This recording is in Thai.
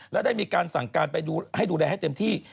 และได้มีการสั่งการไปให้ดูแลให้เต็มที่